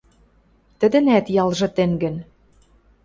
Тӹдӹнӓт ялжы тӹнгӹн.